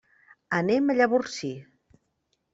Anem a Llavorsí.